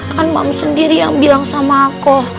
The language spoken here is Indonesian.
kan mams sendiri yang bilang sama aku